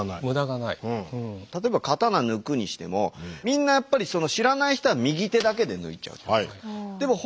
例えば刀抜くにしてもみんなやっぱり知らない人は右手だけで抜いちゃうじゃないですか。